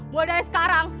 mulai dari sekarang